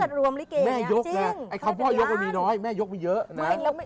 อ๋อเหรอจริงแม่ยกแหละไอ้คำพ่อยกมันมีน้อยแม่ยกมันเยอะนะ